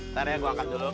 nanti ya gue angkat dulu